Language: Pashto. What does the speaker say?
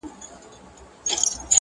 او تر اوسه مي نه مادي -